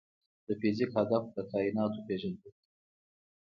د فزیک هدف د کائنات پېژندل دي.